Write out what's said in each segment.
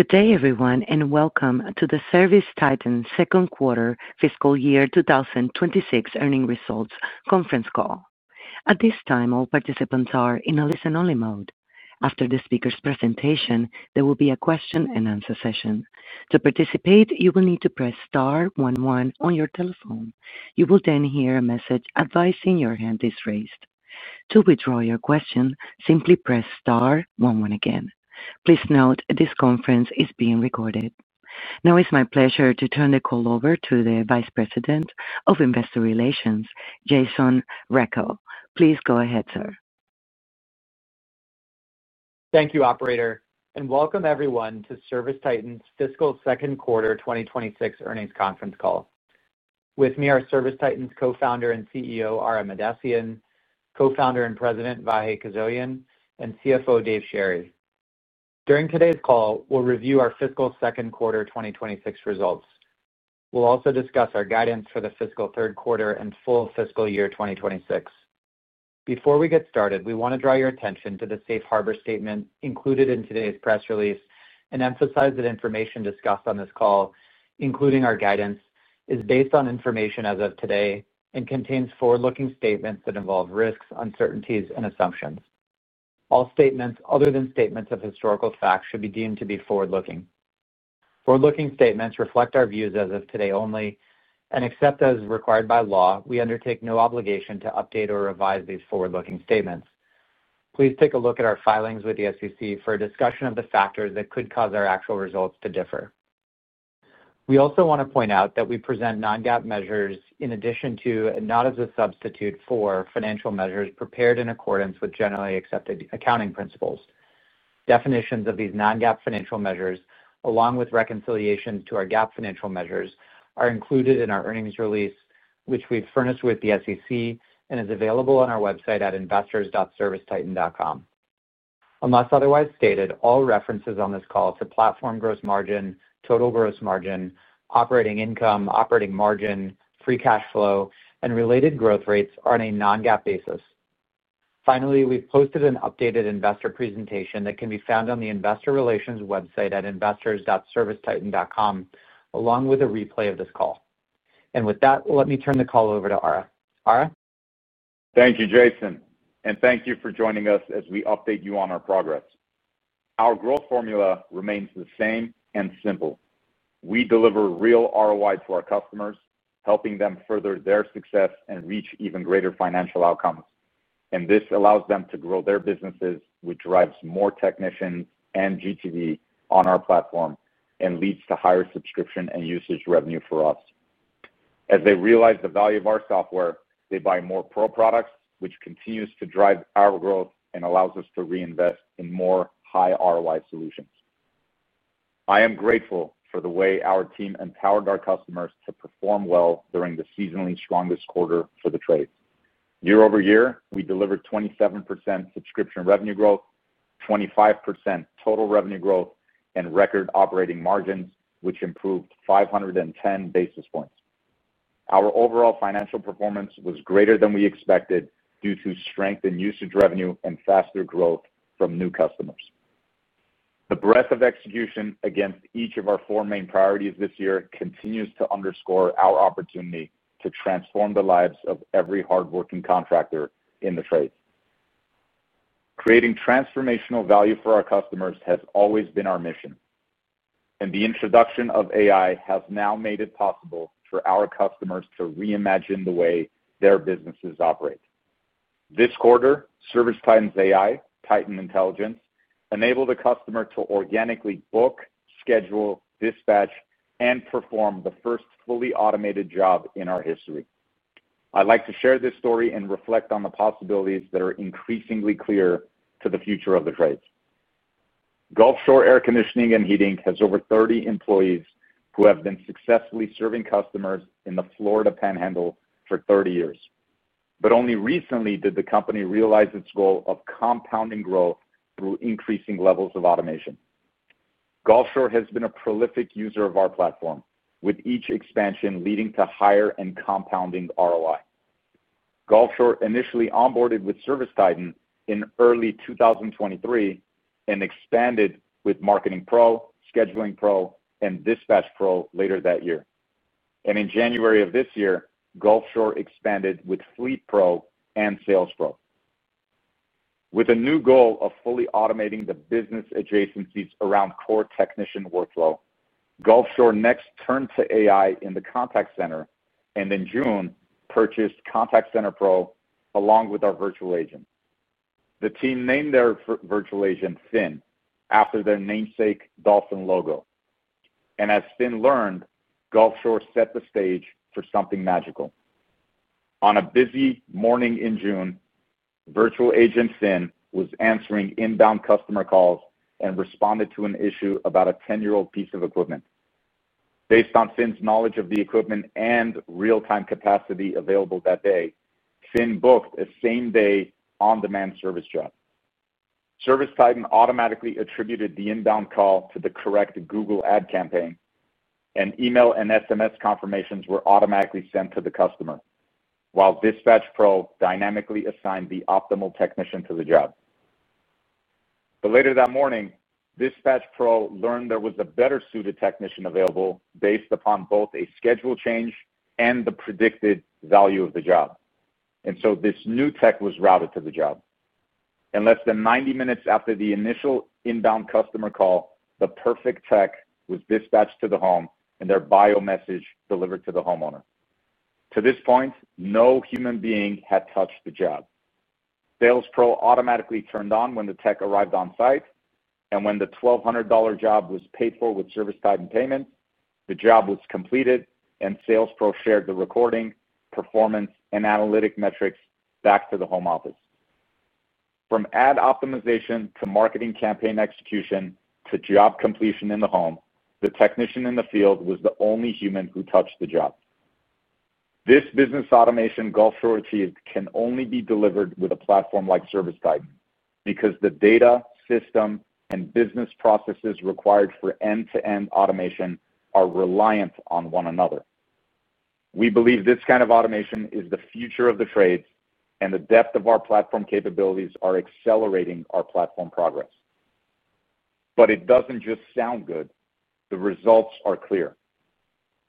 Good day, everyone, and welcome to the ServiceTitan Second Quarter Fiscal Year 2026 Earnings Results conference call. At this time, all participants are in a listen-only mode. After the speaker's presentation, there will be a question and answer session. To participate, you will need to press *11 on your telephone. You will then hear a message advising your hand is raised. To withdraw your question, simply press *11 again. Please note this conference is being recorded. Now it's my pleasure to turn the call over to the Vice President of Investor Relations, Jason Recko. Please go ahead, sir. Thank you, operator, and welcome everyone to ServiceTitan's Fiscal Second Quarter 2026 Earnings Conference Call. With me are ServiceTitan's Co-Founder and CEO, Ara Mahdessian, Co-Founder and President, Vahe Kuzoyan, and CFO, Dave Sherry. During today's call, we'll review our fiscal second quarter 2026 results. We'll also discuss our guidance for the fiscal third quarter and full fiscal year 2026. Before we get started, we want to draw your attention to the safe harbor statement included in today's press release and emphasize that information discussed on this call, including our guidance, is based on information as of today and contains forward-looking statements that involve risks, uncertainties, and assumptions. All statements, other than statements of historical facts, should be deemed to be forward-looking. Forward-looking statements reflect our views as of today only, and except as required by law, we undertake no obligation to update or revise these forward-looking statements. Please take a look at our filings with the SEC for a discussion of the factors that could cause our actual results to differ. We also want to point out that we present non-GAAP measures in addition to and not as a substitute for financial measures prepared in accordance with generally accepted accounting principles. Definitions of these non-GAAP financial measures, along with reconciliation to our GAAP financial measures, are included in our earnings release, which we've furnished with the SEC and is available on our website at investors.servicetitan.com. Unless otherwise stated, all references on this call to platform gross margin, total gross margin, operating income, operating margin, free cash flow, and related growth rates are on a non-GAAP basis. Finally, we've posted an updated investor presentation that can be found on the Investor Relations website at investors.servicetitan.com, along with a replay of this call. With that, let me turn the call over to Ara. Ara? Thank you, Jason, and thank you for joining us as we update you on our progress. Our growth formula remains the same and simple. We deliver real ROI to our customers, helping them further their success and reach even greater financial outcomes. This allows them to grow their businesses, which drives more technicians and GTV on our platform and leads to higher subscription and usage revenue for us. As they realize the value of our software, they buy more Pro Products, which continues to drive our growth and allows us to reinvest in more high ROI solutions. I am grateful for the way our team empowered our customers to perform well during the seasonally strongest quarter for the trade. Year-over-year, we delivered 27% subscription revenue growth, 25% total revenue growth, and record operating margins, which improved 510 basis points. Our overall financial performance was greater than we expected due to strengthened usage revenue and faster growth from new customers. The breadth of execution against each of our four main priorities this year continues to underscore our opportunity to transform the lives of every hardworking contractor in the trade. Creating transformational value for our customers has always been our mission. The introduction of AI has now made it possible for our customers to reimagine the way their businesses operate. This quarter, ServiceTitan's AI, Titan Intelligence, enabled the customer to organically book, schedule, dispatch, and perform the first fully automated job in our history. I'd like to share this story and reflect on the possibilities that are increasingly clear to the future of the trades. Gulfs hore Air Conditioning and Heating has over 30 employees who have been successfully serving customers in the Florida Panhandle for 30 years. Only recently did the company realize its goal of compounding growth through increasing levels of automation. Gulfs hore has been a prolific user of our platform, with each expansion leading to higher and compounding ROI. Gulfs hore initially onboarded with ServiceTitan in early 2023 and expanded with Marketing Pro, Scheduling Pro, and Dispatch Pro later that year. In January of this year, Gulfs hore expanded with Fleet Pro and Sales Pro. With a new goal of fully automating the business adjacencies around core technician workflow, Gulfs hore next turned to AI in the contact center and in June purchased Contact Center Pro along with our virtual agent. The team named their virtual agent Finn after their namesake dolphin logo. s Finn learned, Gulfs hore set the stage for something magical. On a busy morning in June, virtual agent Finn was answering inbound customer calls and responded to an issue about a 10-year-old piece of equipment. Based on Finn's knowledge of the equipment and real-time capacity available that day, Finn booked a same-day on-demand service job. ServiceTitan automatically attributed the inbound call to the correct Google Ad campaign, and email and SMS confirmations were automatically sent to the customer, while Dispatch Pro dynamically assigned the optimal technician to the job. Later that morning, Dispatch Pro learned there was a better-suited technician available based upon both a schedule change and the predicted value of the job, so this new tech was routed to the job. Less than 90 minutes after the initial inbound customer call, the perfect tech was dispatched to the home and their bio message delivered to the homeowner. To this point, no human being had touched the job. Sales Pro automatically turned on when the tech arrived on site, and when the $1,200 job was paid for with ServiceTitan payment, the job was completed and Sales Pro shared the recording, performance, and analytic metrics back to the home office. From ad optimization to marketing campaign execution to job completion in the home, the technician in the field was the only human who touched the job. This business automation Gulfs hore achieved can only be delivered with a platform like ServiceTitan because the data, system, and business processes required for end-to-end automation are reliant on one another. We believe this kind of automation is the future of the trades, and the depth of our platform capabilities is accelerating our platform progress. It doesn't just sound good. The results are clear.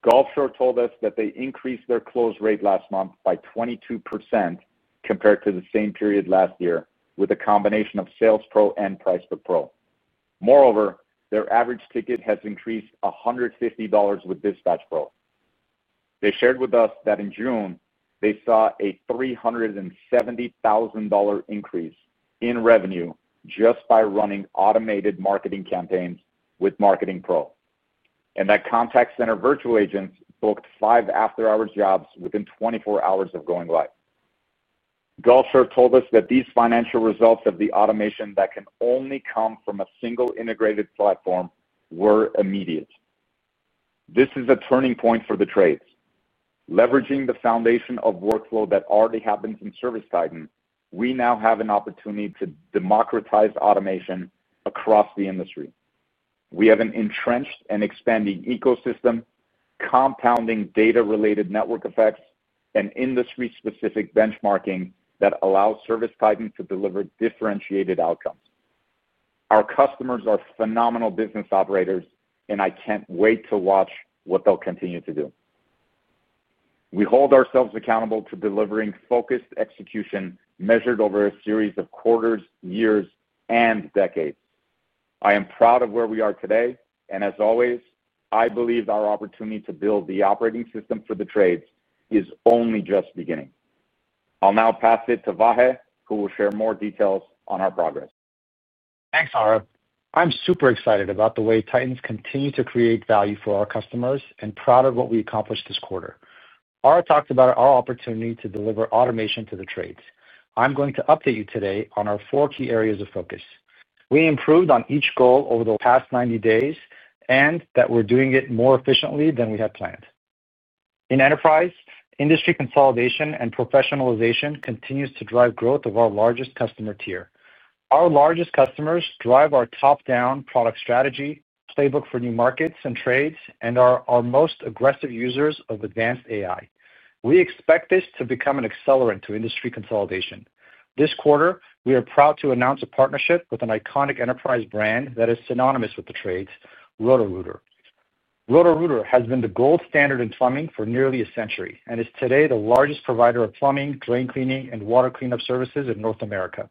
Gulfs hore told us that they increased their close rate last month by 22% compared to the same period last year with a combination of Sales Pro and PriceBook Pro. Moreover, their average ticket has increased $150 with Dispatch Pro. They shared with us that in June, they saw a $370,000 increase in revenue just by running automated marketing campaigns with Marketing Pro. That contact center virtual agents booked five after-hours jobs within 24 hours of going live. Guls hore told us that these financial results of the automation that can only come from a single integrated platform were immediate. This is a turning point for the trades. Leveraging the foundation of workflow that already happens in ServiceTitan, we now have an opportunity to democratize automation across the industry. We have an entrenched and expanding ecosystem, compounding data-related network effects, and industry-specific benchmarking that allows ServiceTitan to deliver differentiated outcomes. Our customers are phenomenal business operators, and I can't wait to watch what they'll continue to do. We hold ourselves accountable to delivering focused execution measured over a series of quarters, years, and decades. I am proud of where we are today, and as always, I believe our opportunity to build the operating system for the trades is only just beginning. I'll now pass it to Vahe, who will share more details on our progress. Thanks, Ara. I'm super excited about the way Titans continue to create value for our customers and proud of what we accomplished this quarter. Ara talked about our opportunity to deliver automation to the trades. I'm going to update you today on our four key areas of focus. We improved on each goal over the past 90 days, and we're doing it more efficiently than we had planned. In enterprise, industry consolidation and professionalization continue to drive growth of our largest customer tier. Our largest customers drive our top-down product strategy, playbook for new markets and trades, and are our most aggressive users of advanced AI. We expect this to become an accelerant to industry consolidation. This quarter, we are proud to announce a partnership with an iconic enterprise brand that is synonymous with the trades, Roto-Rooter. Roto-Rooter has been the gold standard in plumbing for nearly a century and is today the largest provider of plumbing, drain cleaning, and water cleanup services in North America.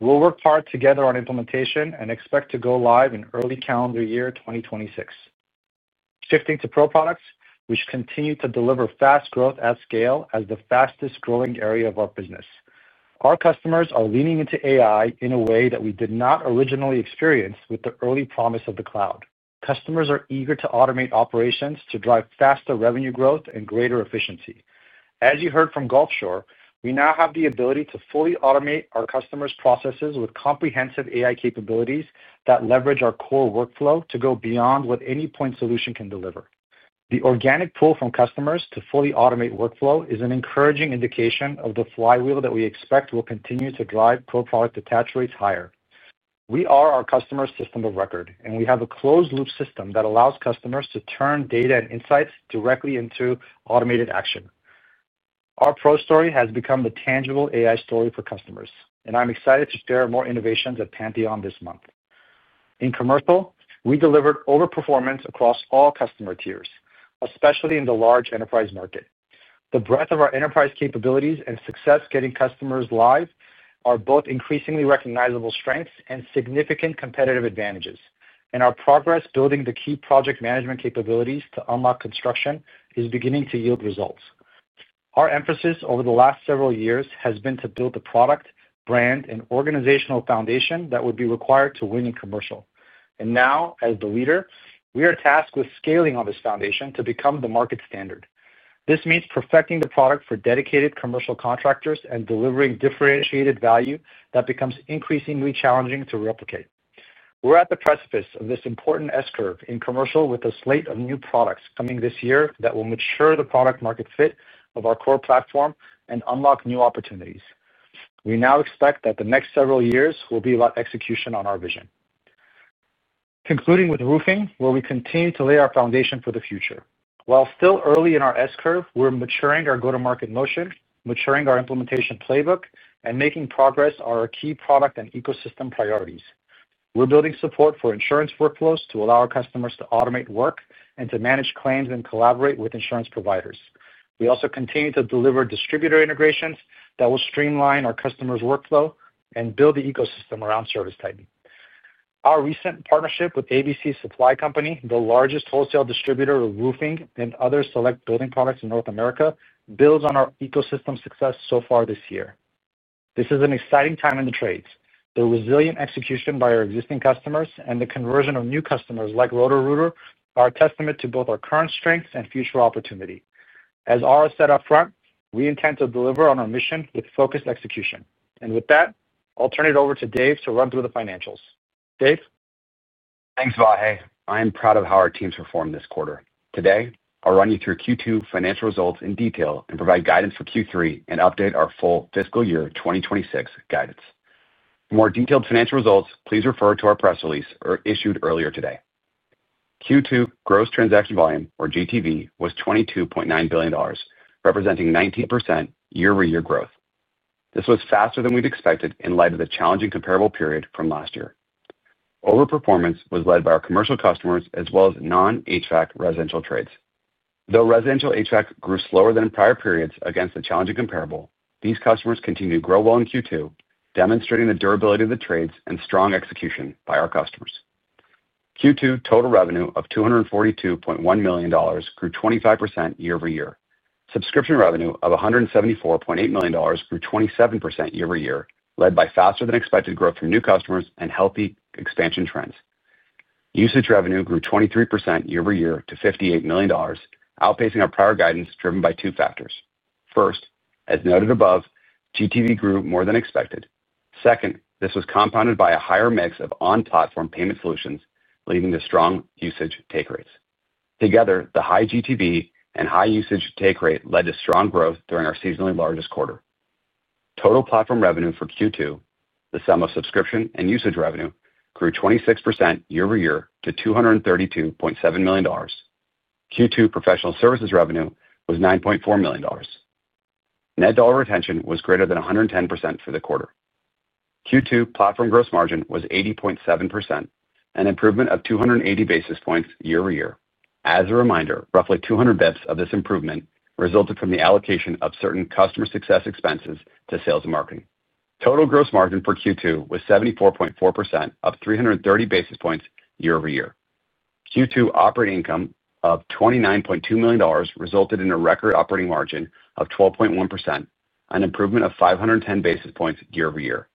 We'll work hard together on implementation and expect to go live in early calendar year 2026. Shifting to Pro Products, which continue to deliver fast growth at scale as the fastest growing area of our business, our customers are leaning into AI in a way that we did not originally experience with the early promise of the cloud. Customers are eager to automate operations to drive faster revenue growth and greater efficiency. As you heard from Gulfs hore, we now have the ability to fully automate our customers' processes with comprehensive AI capabilities that leverage our core workflow to go beyond what any point solution can deliver. The organic pull from customers to fully automate workflow is an encouraging indication of the flywheel that we expect will continue to drive Pro Product attach rates higher. We are our customers' system of record, and we have a closed-loop system that allows customers to turn data and insights directly into automated action. Our Pro story has become the tangible AI story for customers, and I'm excited to share more innovations at Pantheon this month. In commercial, we delivered overperformance across all customer tiers, especially in the large enterprise market. The breadth of our enterprise capabilities and success getting customers live are both increasingly recognizable strengths and significant competitive advantages. Our progress building the key project management capabilities to unlock construction is beginning to yield results. Our emphasis over the last several years has been to build the product, brand, and organizational foundation that would be required to win in commercial. Now, as the leader, we are tasked with scaling on this foundation to become the market standard. This means perfecting the product for dedicated commercial contractors and delivering differentiated value that becomes increasingly challenging to replicate. We are at the precipice of this important S-curve in commercial with a slate of new products coming this year that will mature the product-market fit of our core platform and unlock new opportunities. We now expect that the next several years will be about execution on our vision. Concluding with roofing, we continue to lay our foundation for the future. While still early in our S-curve, we are maturing our go-to-market notion, maturing our implementation playbook, and making progress on our key product and ecosystem priorities. We are building support for insurance workflows to allow our customers to automate work and to manage claims and collaborate with insurance providers. We also continue to deliver distributor integrations that will streamline our customers' workflow and build the ecosystem around ServiceTitan. Our recent partnership with ABC Supply Company, the largest wholesale distributor of roofing and other select building products in North America, builds on our ecosystem success so far this year. This is an exciting time in the trades. The resilient execution by our existing customers and the conversion of new customers like Roto-Rooter are a testament to both our current strengths and future opportunity. As Ara said upfront, we intend to deliver on our mission with focused execution. With that, I'll turn it over to Dave to run through the financials. Dave? Thanks, Vahe. I am proud of how our teams performed this quarter. Today, I'll run you through Q2 financial results in detail and provide guidance for Q3 and update our full fiscal year 2026 guidance. For more detailed financial results, please refer to our press release issued earlier today. Q2 gross transaction volume, or GTV, was $22.9 billion, representing 19% year-over-year growth. This was faster than we'd expected in light of the challenging comparable period from last year. Overperformance was led by our commercial customers as well as non-HVAC residential trades. Though residential HVAC grew slower than in prior periods against the challenging comparable, these customers continued to grow well in Q2, demonstrating the durability of the trades and strong execution by our customers. Q2 total revenue of $242.1 million grew 25% year-over-year. Subscription revenue of $174.8 million grew 27% year-over-year, led by faster-than-expected growth from new customers and healthy expansion trends. Usage revenue grew 23% year-over-year to $58 million, outpacing our prior guidance driven by two factors. First, as noted above, GTV grew more than expected. Second, this was compounded by a higher mix of on-platform payment solutions, leading to strong usage take rates. Together, the high GTV and high usage take rate led to strong growth during our seasonally largest quarter. Total platform revenue for Q2, the sum of subscription and usage revenue, grew 26% year-over-year to $232.7 million. Q2 professional services revenue was $9.4 million. Net dollar retention was greater than 110% for the quarter. Q2 platform gross margin was 80.7%, an improvement of 280 basis points year-over-year. As a reminder, roughly 200 bps of this improvement resulted from the allocation of certain customer success expenses to sales and marketing. Total gross margin for Q2 was 74.4%, up 330 basis points year-over-year. Q2 operating income of $29.2 million resulted in a record operating margin of 12.1%, an improvement of 510 basis points year-over-year.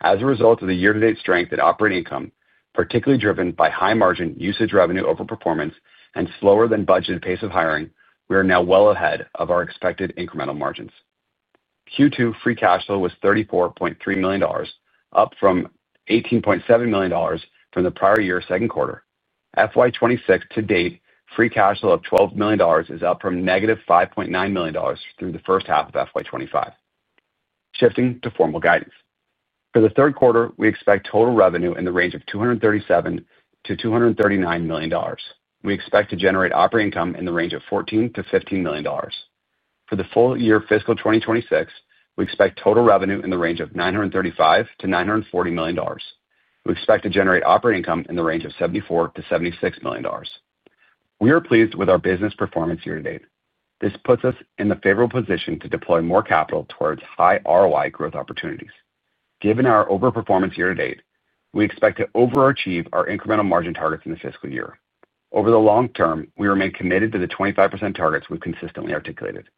As a result of the year-to-date strength in operating income, particularly driven by high- margin usage revenue overperformance and slower-than-budgeted pace of hiring, we are now well ahead of our expected incremental margins. Q2 free cash flow was $34.3 million, up from $18.7 million from the prior year's second quarter. FY 2026 to date, free cash flow of $12 million is up from -$5.9 million through the first half of FY 2025. Shifting to formal guidance. For the third quarter, we expect total revenue in the range of $237 million- $239 million. We expect to generate operating income in the range of $14 million- $15 million. For the full year fiscal 2026, we expect total revenue in the range of $935 million- $940 million. We expect to generate operating income in the range of $74 million- $76 million. We are pleased with our business performance year to date. This puts us in a favorable position to deploy more capital towards high ROI growth opportunities. Given our overperformance year to date, we expect to overachieve our incremental margin targets in the fiscal year. Over the long term, we remain committed to the 25% targets we've consistently articulated.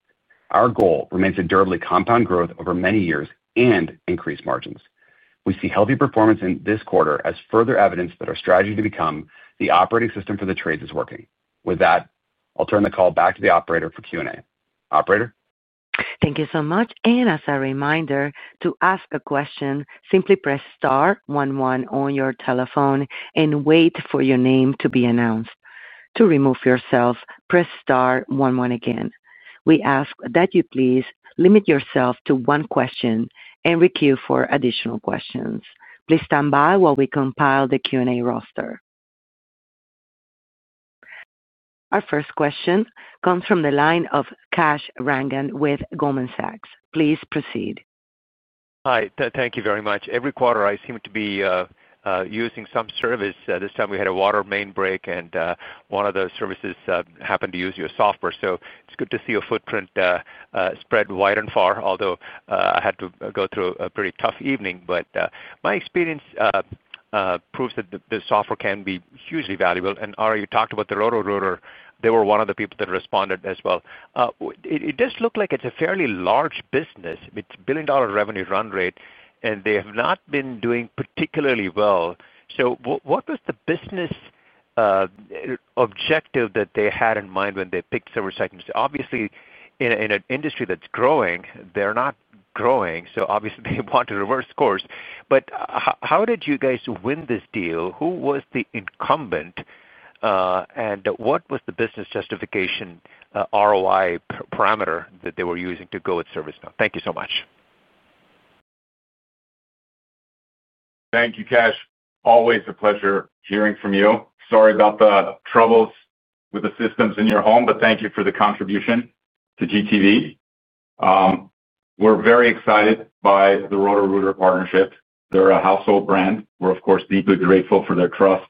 Our goal remains to durably compound growth over many years and increase margins. We see healthy performance in this quarter as further evidence that our strategy to become the operating system for the trades is working. With that, I'll turn the call back to the operator for Q&A. Operator? Thank you so much. As a reminder, to ask a question, simply press *11 on your telephone and wait for your name to be announced. To remove yourself, press *11 again. We ask that you please limit yourself to one question and recue for additional questions. Please stand by while we compile the Q&A roster. Our first question comes from the line of Kash Rangan with Goldman Sachs. Please proceed. Hi. Thank you very much. Every quarter, I seem to be using some service. This time, we had a water main break, and one of the services happened to use your software. It's good to see your footprint spread wide and far, although I had to go through a pretty tough evening. My experience proves that the software can be hugely valuable. Ara, you talked about Roto-Rooter. They were one of the people that responded as well. It does look like it's a fairly large business with a billion-dollar revenue run rate, and they have not been doing particularly well. What was the business objective that they had in mind when they picked ServiceTitan? Obviously, in an industry that's growing, they're not growing. They want to reverse course. How did you guys win this deal? Who was the incumbent? What was the business justification ROI parameter that they were using to go with ServiceTitan? Thank you so much. Thank you, Kash. Always a pleasure hearing from you. Sorry about the troubles with the systems in your home, but thank you for the contribution to GTV. We're very excited by the Roto-Rooter partnership. They're a household brand. We're, of course, deeply grateful for their trust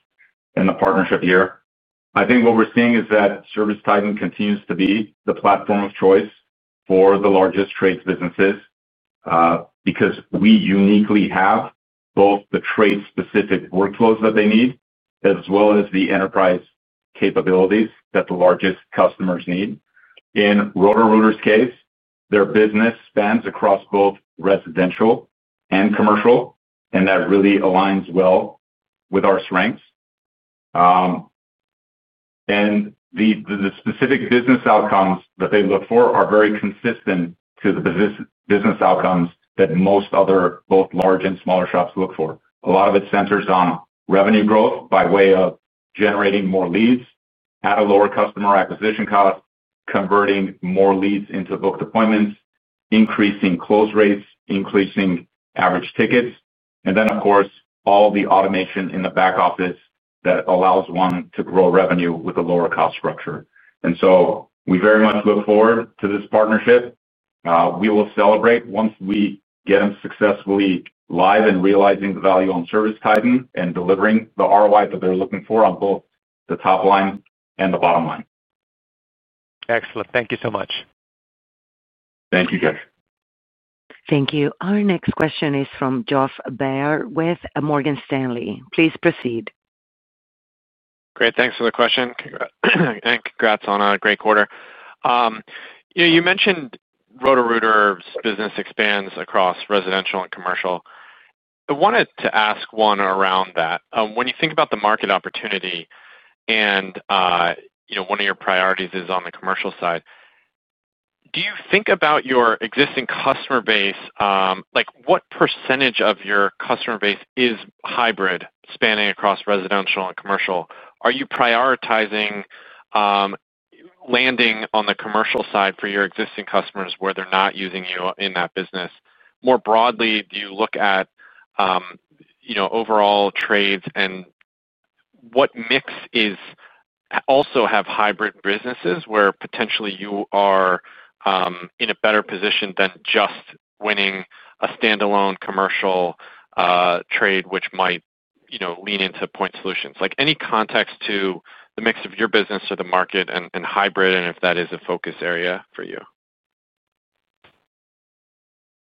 and the partnership here. I think what we're seeing is that ServiceTitan continues to be the platform of choice for the largest trades businesses because we uniquely have both the trade-specific workflows that they need, as well as the enterprise capabilities that the largest customers need. In Roto-Rooter's case, their business spans across both residential and commercial, and that really aligns well with our strengths. The specific business outcomes that they look for are very consistent to the business outcomes that most other, both large and smaller shops look for. A lot of it centers on revenue growth by way of generating more leads, at a lower customer acquisition cost, converting more leads into booked appointments, increasing close rates, increasing average tickets, and then, of course, all the automation in the back office that allows one to grow revenue with a lower cost structure. We very much look forward to this partnership. We will celebrate once we get them successfully live and realizing the value on ServiceTitan and delivering the ROI that they're looking for on both the top line and the bottom line. Excellent. Thank you so much. Thank you, guys. Thank you. Our next question is from Josh Baer with Morgan Stanley. Please proceed. Great. Thanks for the question. Congrats on a great quarter. You mentioned Roto-Rooter's business expands across residential and commercial. I wanted to ask one around that. When you think about the market opportunity and one of your priorities is on the commercial side, do you think about your existing customer base? What percentage of your customer base is hybrid, spanning across residential and commercial? Are you prioritizing landing on the commercial side for your existing customers where they're not using you in that business? More broadly, do you look at overall trades and what mix also have hybrid businesses where potentially you are in a better position than just winning a standalone commercial trade, which might lean into point solutions? Any context to the mix of your business or the market and hybrid and if that is a focus area for you?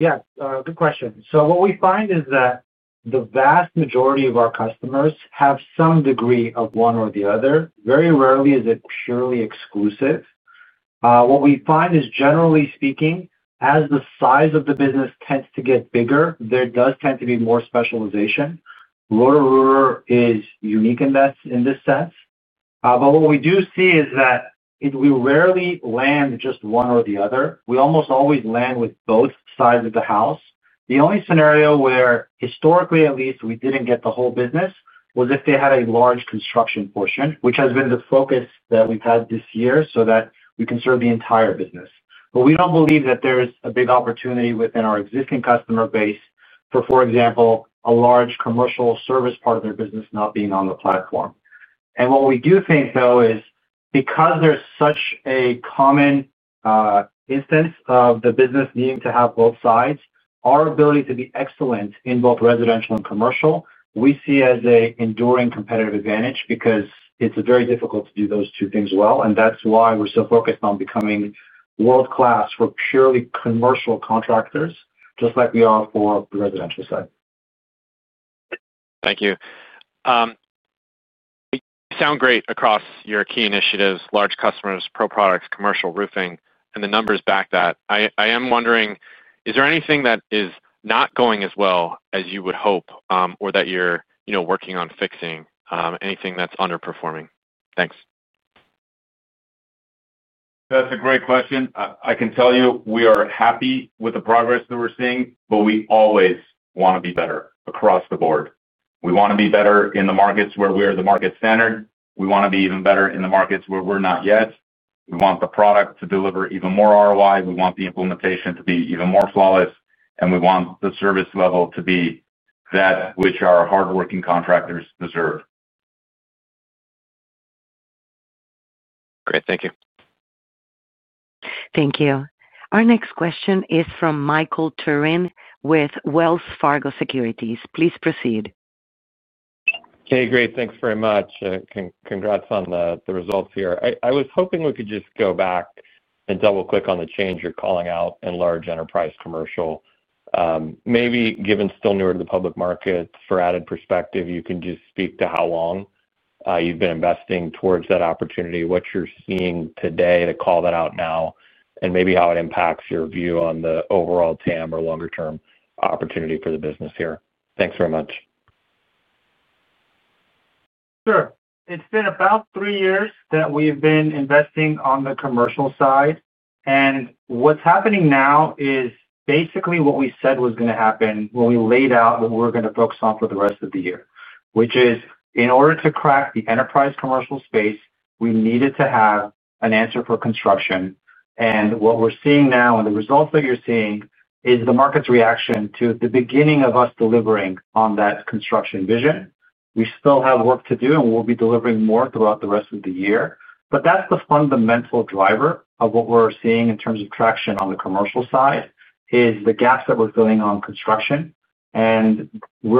Good question. What we find is that the vast majority of our customers have some degree of one or the other. Very rarely is it purely exclusive. What we find is, generally speaking, as the size of the business tends to get bigger, there does tend to be more specialization. Roto-Rooter is unique in this sense. What we do see is that we rarely land just one or the other. We almost always land with both sides of the house. The only scenario where, historically at least, we didn't get the whole business was if they had a large construction portion, which has been the focus that we've had this year so that we can serve the entire business. We don't believe that there is a big opportunity within our existing customer base for, for example, a large commercial service part of their business not being on the platform. What we do think, though, is because there's such a common instance of the business needing to have both sides, our ability to be excellent in both residential and commercial, we see as an enduring competitive advantage because it's very difficult to do those two things well. That's why we're so focused on becoming world-class for purely commercial contractors, just like we are for the residential side. Thank you. You sound great across your key initiatives: large customers, Pro Products, commercial roofing, and the numbers back that. I am wondering, is there anything that is not going as well as you would hope or that you're working on fixing? Anything that's underperforming? Thanks. That's a great question. I can tell you we are happy with the progress that we're seeing, but we always want to be better across the board. We want to be better in the markets where we are the market standard. We want to be even better in the markets where we're not yet. We want the product to deliver even more ROI. We want the implementation to be even more flawless. We want the service level to be that which our hardworking contractors deserve. Great. Thank you. Thank you. Our next question is from Michael Turrin with Wells Fargo Securities. Please proceed. Hey, great. Thanks very much. Congrats on the results here. I was hoping we could just go back and double-click on the change you're calling out in large enterprise commercial. Maybe given still newer to the public market, for added perspective, you can just speak to how long you've been investing towards that opportunity, what you're seeing today to call that out now, and maybe how it impacts your view on the overall total addressable market or longer-term opportunity for the business here. Thanks very much. Sure. It's been about three years that we've been investing on the commercial side. What's happening now is basically what we said was going to happen when we laid out what we're going to focus on for the rest of the year, which is in order to crack the enterprise and commercial space, we needed to have an answer for construction. What we're seeing now and the results that you're seeing is the market's reaction to the beginning of us delivering on that construction vision. We still have work to do, and we'll be delivering more throughout the rest of the year. That's the fundamental driver of what we're seeing in terms of traction on the commercial side, the gaps that we're filling on construction. We're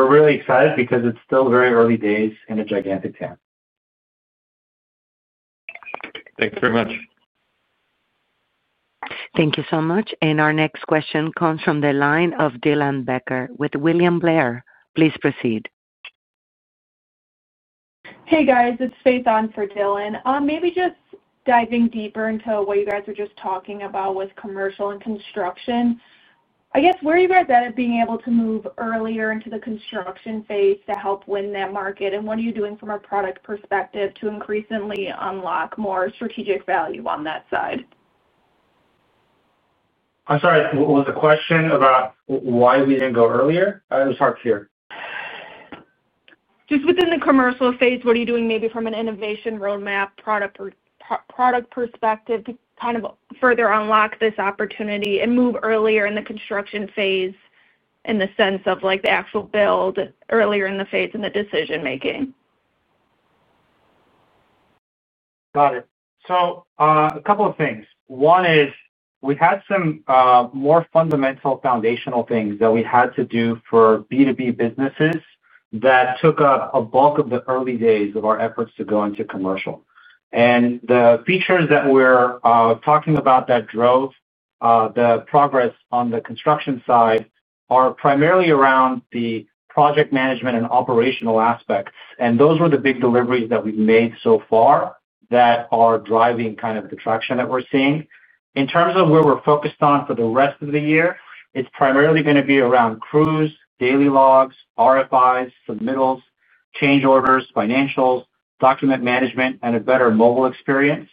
really excited because it's still very early days in a gigantic total addressable market. Thanks very much. Thank you so much. Our next question comes from the line of Dylan Becker with William Blair. Please proceed. Hey, guys. It's Faith on for Dylan. Maybe just diving deeper into what you guys were just talking about with commercial and construction. I guess where are you guys at at being able to move earlier into the construction phase to help win that market? What are you doing from a product perspective to increasingly unlock more strategic value on that side? I'm sorry. Was the question about why we didn't go earlier? It was hard to hear. Just within the commercial phase, what are you doing from an innovation roadmap product perspective to kind of further unlock this opportunity and move earlier in the construction phase, in the sense of the actual build earlier in the phase in the decision-making? Got it. A couple of things. One is we had some more fundamental foundational things that we had to do for B2B businesses that took a bulk of the early days of our efforts to go into commercial. The features that we're talking about that drove the progress on the construction side are primarily around the project management and operational aspects. Those were the big deliveries that we've made so far that are driving kind of the traction that we're seeing. In terms of where we're focused on for the rest of the year, it's primarily going to be around crews, daily logs, RFIs, submittals, change orders, financials, document management, and a better mobile experience.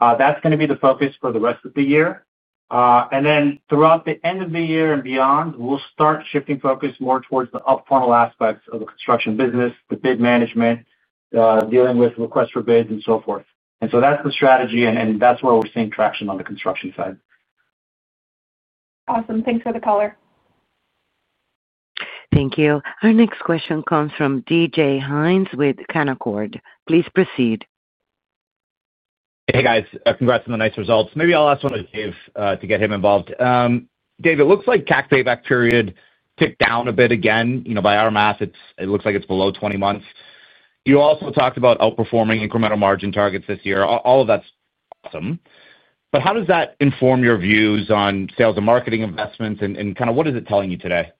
That's going to be the focus for the rest of the year. Throughout the end of the year and beyond, we'll start shifting focus more towards the upfrontal aspects of the construction business, the bid management, dealing with requests for bids, and so forth. That's the strategy, and that's where we're seeing traction on the construction side. Awesome. Thanks for the call. Thank you. Our next question comes from DJ Hynes with Canaccord. Please proceed. Hey, guys. Congrats on the nice results. Maybe I'll ask one of Dave's to get him involved. Dave, it looks like CAC Payback period ticked down a bit again. By our math, it looks like it's below 20 months. You also talked about outperforming incremental margin targets this year. All of that's awesome. How does that inform your views on sales and marketing investments? What is it telling you today?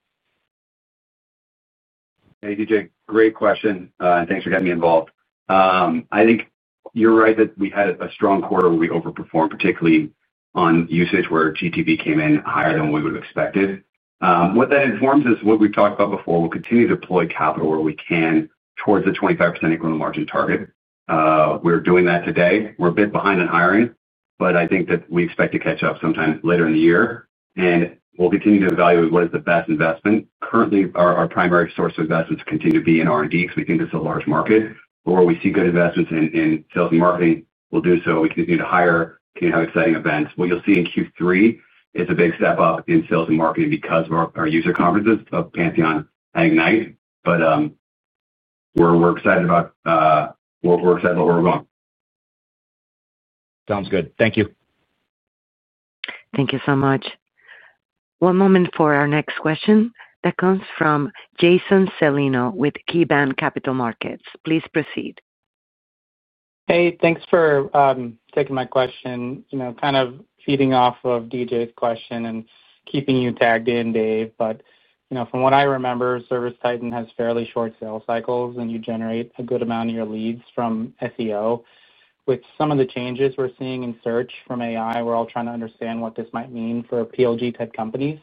Hey, DJ. Great question. Thanks for getting me involved. I think you're right that we had a strong quarter where we overperformed, particularly on usage where GTV came in higher than what we would have expected. What that informs is what we've talked about before. We'll continue to deploy capital where we can towards a 25% incremental margin target. We're doing that today. We're a bit behind in hiring, but I think that we expect to catch up sometime later in the year. We'll continue to evaluate what is the best investment. Currently, our primary source of investments continue to be in R&D because we think it's a large market. Where we see good investments in sales and marketing, we'll do so. We continue to hire, continue to have exciting events. What you'll see in Q3 is a big step up in sales and marketing because of our user conferences of Pantheon and Ignite. We're excited about where we're going. Sounds good. Thank you. Thank you so much. One moment for our next question. That comes from Jason Celino with KeyBanc Capital Markets. Please proceed. Hey, thanks for taking my question. Kind of feeding off of DJ's question and keeping you tagged in, Dave. From what I remember, ServiceTitan has fairly short sales cycles, and you generate a good amount of your leads from SEO. With some of the changes we're seeing in search from AI, we're all trying to understand what this might mean for PLG-type companies.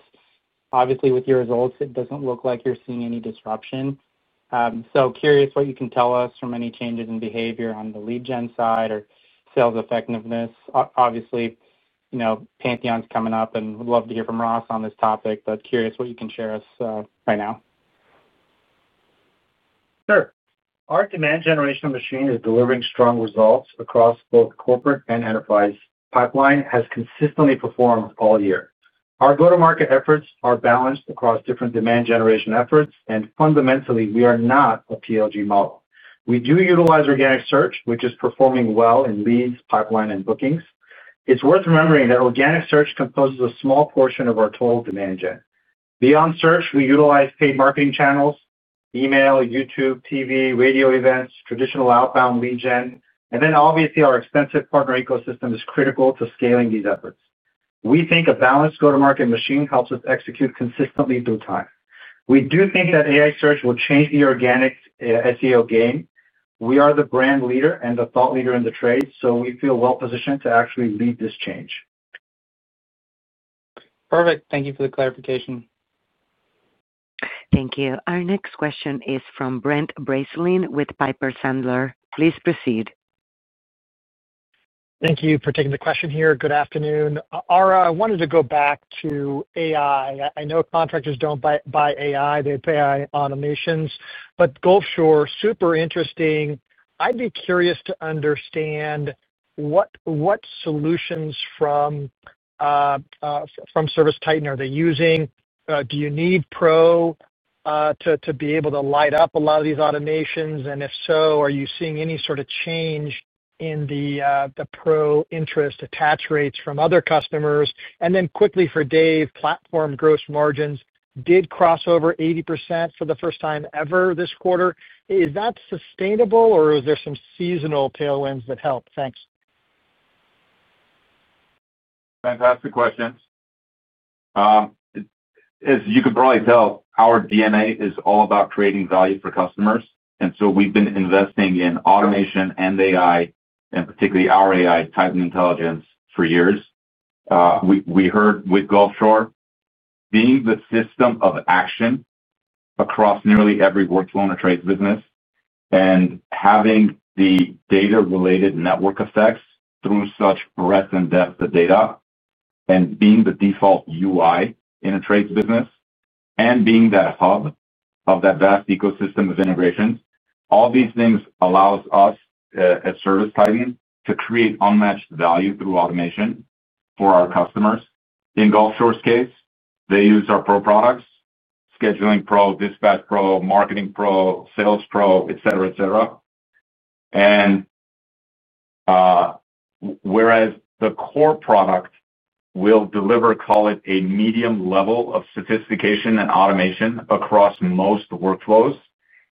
Obviously, with your results, it doesn't look like you're seeing any disruption. Curious what you can tell us from any changes in behavior on the lead gen side or sales effectiveness. Obviously, Pantheon's coming up, and we'd love to hear from Ross on this topic, but curious what you can share us right now. Sure. Our demand generation machine is delivering strong results across both corporate and enterprise. Pipeline has consistently performed all year. Our go-to-market efforts are balanced across different demand generation efforts. Fundamentally, we are not a PLG model. We do utilize organic search, which is performing well in leads, pipeline, and bookings. It's worth remembering that organic search composes a small portion of our total demand gen. Beyond search, we utilize paid marketing channels, email, YouTube, TV, radio, events, traditional outbound lead gen. Obviously, our extensive partner ecosystem is critical to scaling these efforts. We think a balanced go-to-market machine helps us execute consistently through time. We do think that AI search will change the organic SEO game. We are the brand leader and the thought leader in the trades, so we feel well-positioned to actually lead this change. Perfect. Thank you for the clarification. Thank you. Our next question is from Brent Bracelin with Piper Sandler. Please proceed. Thank you for taking the question here. Good afternoon. Ara, I wanted to go back to AI. I know contractors don't buy AI. They buy automations. Gulfs hore, super interesting. I'd be curious to understand what solutions from ServiceTitan are they using? Do you need Pro to be able to light up a lot of these automations? If so, are you seeing any sort of change in the Pro interest attach rates from other customers? Quickly for Dave, platform gross margins did cross over 80% for the first time ever this quarter. Is that sustainable, or is there some seasonal tailwinds that help? Thanks. Fantastic questions. As you could probably tell, our DNA is all about creating value for customers. We've been investing in automation and AI, and particularly our AI, Titan Intelligence, for years. We heard with Gulfs hore, being the system of action across nearly every workflow in a trades business and having the data-related network effects through such breadth and depth of data and being the default UI in a trades business and being that hub of that vast ecosystem of integrations, all these things allow us at ServiceTitan to create unmatched value through automation for our customers. In Gulfs hore's case, they use our Pro Products: Scheduling Pro, Dispatch Pro, Marketing Pro, Sales Pro, etc., etc. Whereas the core product will deliver, call it, a medium level of sophistication and automation across most workflows,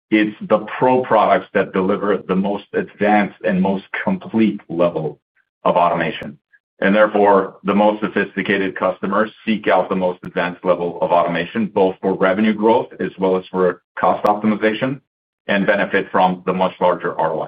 it's the Pro Products that deliver the most advanced and most complete level of automation. Therefore, the most sophisticated customers seek out the most advanced level of automation, both for revenue growth as well as for cost optimization and benefit from the much larger ROI.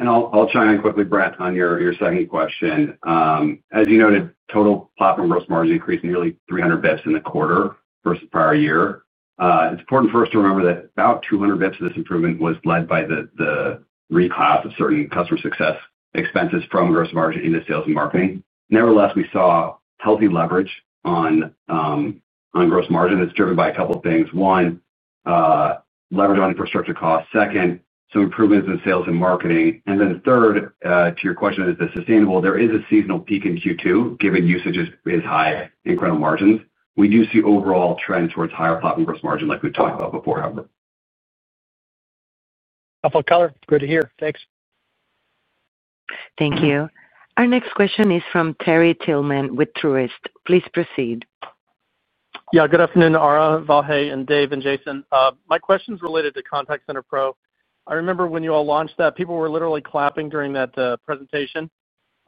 I'll chime in quickly, Brent, on your second question. As you noted, total platform gross margins increased nearly 300 bps in the quarter versus prior year. It's important for us to remember that about 200 bps of this improvement was led by the reclass of certain customer success expenses from gross margin into sales and marketing. Nevertheless, we saw healthy leverage on gross margin. It's driven by a couple of things. One, leverage on infrastructure costs. Second, some improvements in sales and marketing. Third, to your question, is this sustainable? There is a seasonal peak in Q2 given usage is high in incremental margins. We do see overall trends towards higher platform gross margin like we've talked about before. Helpful color. Good to hear. Thanks. Thank you. Our next question is from Terry Tillman with Truist Securities. Please proceed. Yeah. Good afternoon, Ara, Vahe, and Dave, and Jason. My question is related to Contact Center Pro. I remember when you all launched that, people were literally clapping during that presentation.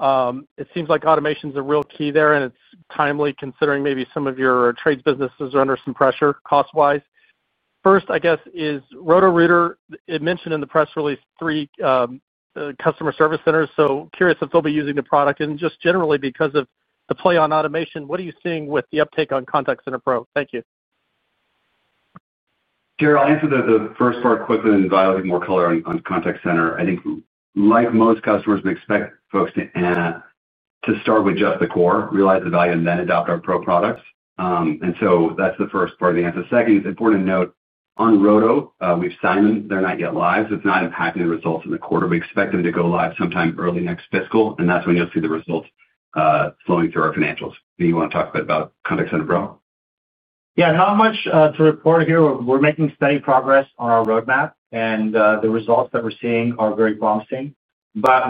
It seems like automation is a real key there, and it's timely considering maybe some of your trades businesses are under some pressure cost-wise. First, I guess, is Roto-Rooter. It mentioned in the press release three customer service centers. Curious if they'll be using the product. Just generally, because of the play on automation, what are you seeing with the uptake on Contact Center Pro? Thank you. Sure. I'll answer the first part quickly and then dial in more color on Contact Center. I think like most customers, we expect folks to start with just the core, realize the value, and then adopt our Pro P roducts. That's the first part of the answer. It's important to note on Roto-Rooter, we've signed them. They're not yet live. It's not impacting the results of the quarter. We expect them to go live sometime early next fiscal, and that's when you'll see the results flowing through our financials. Do you want to talk a bit about Contact Center Pro? Yeah, I mean, not much to report here. We're making steady progress on our roadmap, and the results that we're seeing are very promising.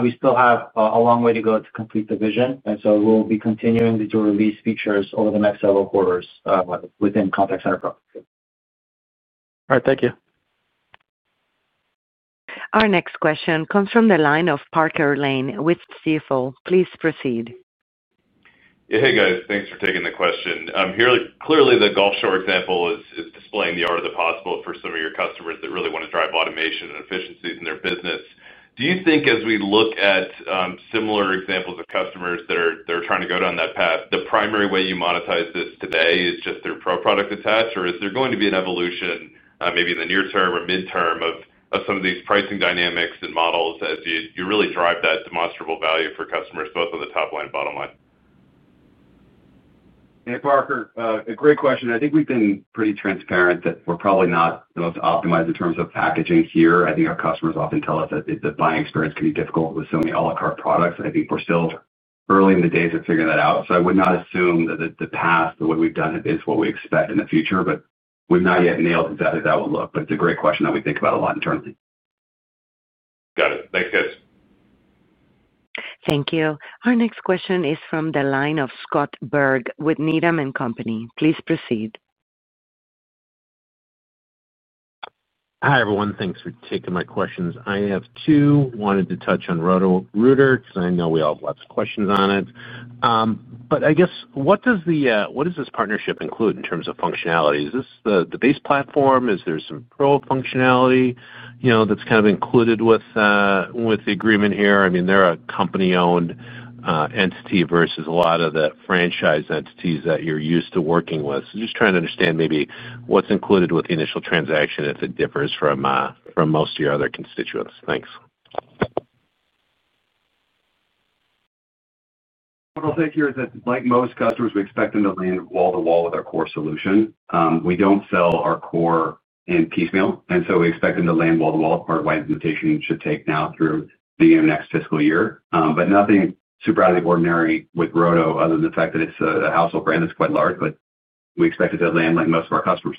We still have a long way to go to complete the vision. We'll be continuing to release features over the next several quarters within Contact Center Pro. All right. Thank you. Our next question comes from the line of Parker Lane with Stifel. Please proceed. Yeah. Hey, guys. Thanks for taking the question. I'm here. Clearly, the Gulfshore example is displaying the art of the possible for some of your customers that really want to drive automation and efficiency in their business. Do you think as we look at similar examples of customers that are trying to go down that path, the primary way you monetize this today is just through Pro Product attach? Or is there going to be an evolution maybe in the near term or midterm of some of these pricing dynamics and models as you really drive that demonstrable value for customers both on the top line and bottom line? Hey, Parker. Great question. I think we've been pretty transparent that we're probably not the most optimized in terms of packaging here. I think our customers often tell us that the buying experience can be difficult with so many a la carte products. I think we're still early in the days of figuring that out. I would not assume that the past of what we've done is what we expect in the future. We've not yet nailed it better than that would look. It's a great question that we think about a lot internally. Got it. Thanks, guys. Thank you. Our next question is from the line of Scott Berg with Needham & Company. Please proceed. Hi, everyone. Thanks for taking my questions. I have two. Wanted to touch on Roto-Rooter because I know we all have lots of questions on it. What does this partnership include in terms of functionality? Is this the base platform? Is there some Pro functionality that's kind of included with the agreement here? They're a company-owned entity versus a lot of the franchise entities that you're used to working with. Just trying to understand maybe what's included with the initial transaction as it differs from most of your other constituents. Thanks. What I'll take here is that like most customers, we expect them to leave wall-to-wall with our core solution. We don't sell our core in piecemeal, and we expect them to land wall-to-wall as part of what implementation should take now through the next fiscal year. Nothing super out of the ordinary with Roto-Rooter other than the fact that it's a household brand that's quite large. We expect it to land like most of our customers.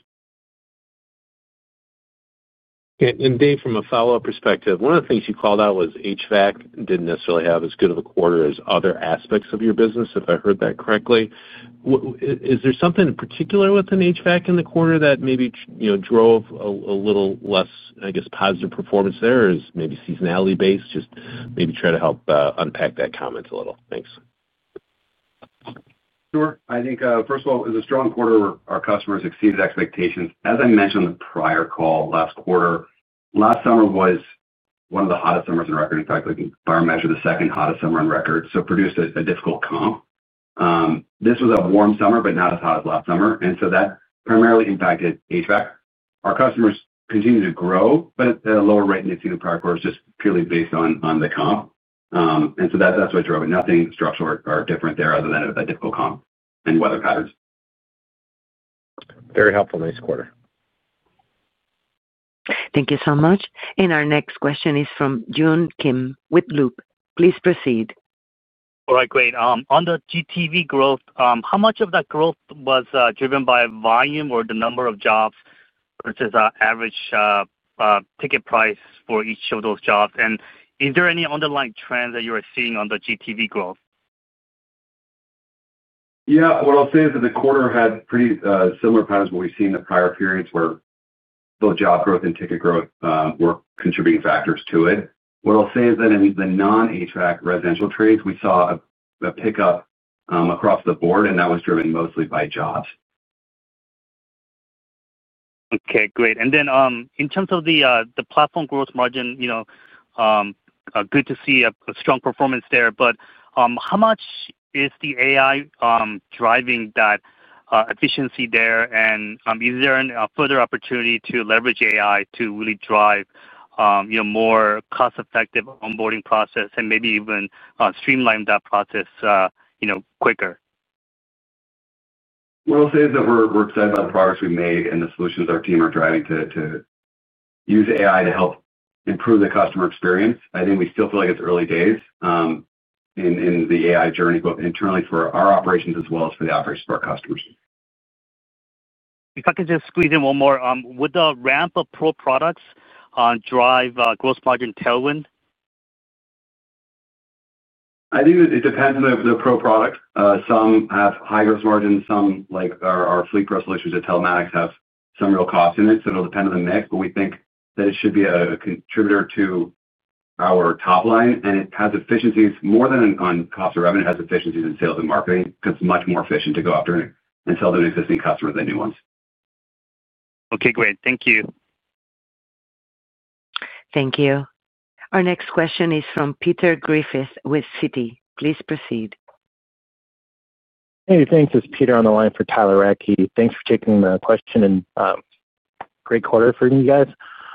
Dave, from a follow-up perspective, one of the things you called out was HVAC didn't necessarily have as good of a quarter as other aspects of your business, if I heard that correctly. Is there something in particular with HVAC in the quarter that maybe drove a little less, I guess, positive performance there? Is it maybe seasonality-based? Just maybe try to help unpack that comment a little. Thanks. Sure. I think, first of all, it was a strong quarter, our customers exceeded expectations. As I mentioned on the prior call last quarter, last summer was one of the hottest summers on record. In fact, I can imagine the second hottest summer on record. It produced a difficult comp. This was a warm summer, but not as hot as last summer, and that primarily impacted HVAC. Our customers continue to grow, but at a lower rate than they've seen in prior quarters, just purely based on the comp. That's what drove it. Nothing struck short or different there other than it was a difficult comp and weather patterns. Very helpful. Nice quarter. Thank you so much. Our next question is from Yun Kim with Loop Capital. Please proceed. All right. Great. Under GTV growth, how much of that growth was driven by volume or the number of jobs versus the average ticket price for each of those jobs? Is there any underlying trend that you're seeing on the GTV growth? Yeah. What I'll say is that the quarter had pretty similar patterns of what we've seen in the prior periods, where both job growth and ticket growth were contributing factors to it. What I'll say is that in the non-HVAC residential trades, we saw a pickup across the board, and that was driven mostly by jobs. Okay. Great. In terms of the platform gross margin, you know, good to see a strong performance there. How much is the AI driving that efficiency there? Is there a further opportunity to leverage AI to really drive a more cost-effective onboarding process and maybe even streamline that process quicker? What I'll say is that we're excited about the progress we made and the solutions our team are driving to use AI to help improve the customer experience. I think we still feel like it's early days in the AI journey, both internally for our operations as well as for the operations of our customers. If I could just squeeze in one more, would the ramp of Pro Products drive gross margin tailwind? I think it depends on the Pro Products. Some have high gross margins. Some, like our Fleet Pro solutions at Telematics, have some real cost in it. It will depend on the mix. We think that it should be a contributor to our top line. It has efficiencies more than on cost of revenue. It has efficiencies in sales and marketing because it's much more efficient to go after and sell to an existing customer than new ones. Okay. Great. Thank you. Thank you. Our next question is from Peter Griffith with Citi. Please proceed. Hey, thanks. It's Peter on the line for Tyler Racky. Thanks for taking the question and great quarter for you guys.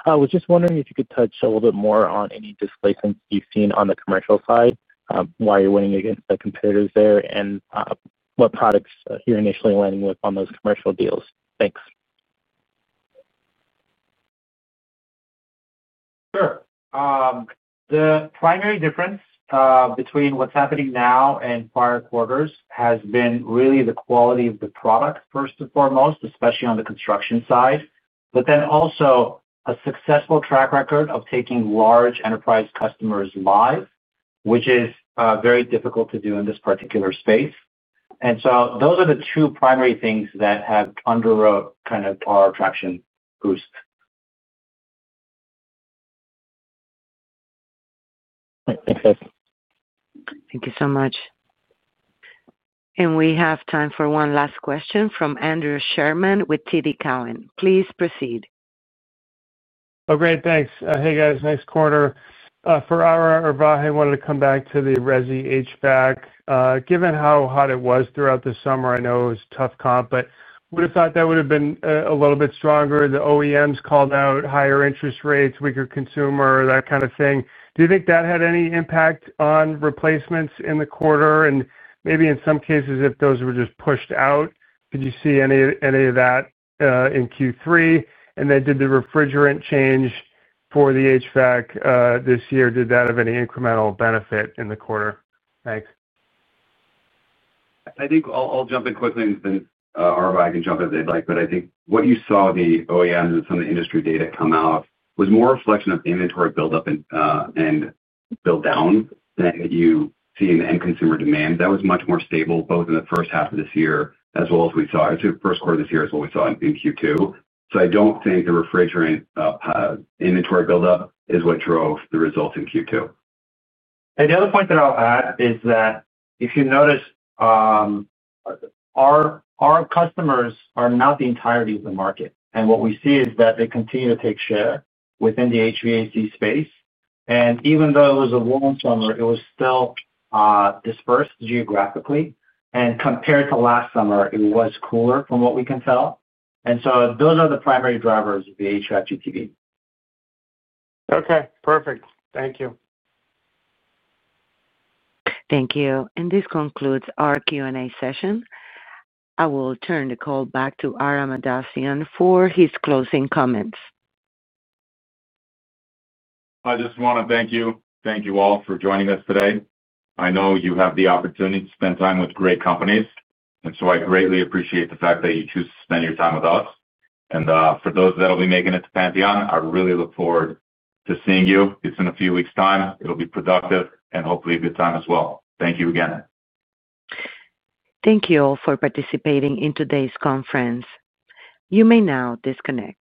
I was just wondering if you could touch a little bit more on any displacement you've seen on the commercial side, why you're winning against the competitors there, and what products you're initially landing with on those commercial deals. Thanks. Sure. The primary difference between what's happening now and prior quarters has been really the quality of the product, first and foremost, especially on the construction side. There is also a successful track record of taking large enterprise customers live, which is very difficult to do in this particular space. Those are the two primary things that have underwrote kind of our traction boost. All right. Thanks, guys. Thank you so much. We have time for one last question from Andrew Sherman with TD Cowen. Please proceed. Oh, great. Thanks. Hey, guys. Nice quarter. For Ara or Vahe, I wanted to come back to the residential HVAC. Given how hot it was throughout the summer, I know it was a tough comp, but would have thought that would have been a little bit stronger. The OEMs called out higher interest rates, weaker consumer, that kind of thing. Do you think that had any impact on replacements in the quarter? Maybe in some cases, if those were just pushed out, could you see any of that in Q3? Did the refrigerant change for the HVAC this year, did that have any incremental benefit in the quarter? Thanks. I think I'll jump in quickly. Ara and I can jump as they'd like. I think what you saw, the OEMs and some of the industry data come out was more a reflection of the inventory buildup and build-downs that you see in the end consumer demand. That was much more stable both in the first half of this year as well as we saw it through the first quarter of this year as what we saw in Q2. I don't think the refrigerant inventory buildup is what drove the results in Q2. The other point that I'll add is that if you notice, our customers are not the entirety of the market. What we see is that they continue to take share within the HVAC space. Even though it was a warm summer, it was still dispersed geographically. Compared to last summer, it was cooler from what we can tell. Those are the primary drivers of the HVAC GTV.f Okay. Perfect. Thank you. Thank you. This concludes our Q&A session. I will turn the call back to Ara Mahdessian for his closing comments. I just want to thank you. Thank you all for joining us today. I know you have the opportunity to spend time with great companies. I greatly appreciate the fact that you choose to spend your time with us. For those that will be making it to Pantheon, I really look forward to seeing you. It's in a few weeks' time. It'll be productive and hopefully a good time as well. Thank you again. Thdank you all for participating in today's conference. You may now disconnect.